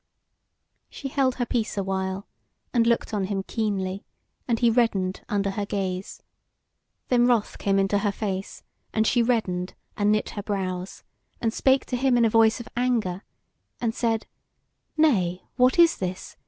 She held her peace awhile, and looked on him keenly; and he reddened under her gaze. Then wrath came into her face, and she reddened and knit her brows, and spake to him in a voice of anger, and said: "Nay, what is this?